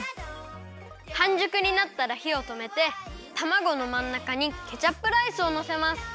はんじゅくになったらひをとめてたまごのまんなかにケチャップライスをのせます。